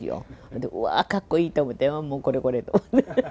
で、うわー、かっこいいと思って、もうこれこれと思って。